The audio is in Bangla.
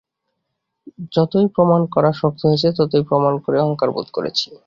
যতই প্রমাণ করা শক্ত হয়েছে ততই প্রমাণ করে অহংকার বোধ করেছি।